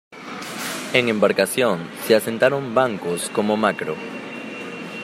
En Embarcación se asentaron bancos como Macro.